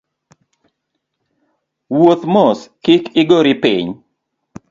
Wuoth mos kik igori piny